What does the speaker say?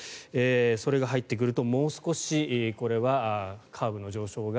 それが入ってくるともう少しこれはカーブの上昇が